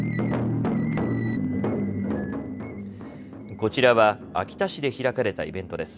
こちらは秋田市で開かれたイベントです。